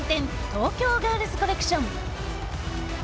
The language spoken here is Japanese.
東京ガールズコレクション。